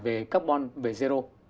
về carbon về zero